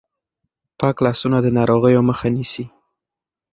پاک لاسونه د ناروغیو مخه نیسي.